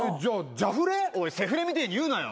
おいセフレみてえに言うなよ。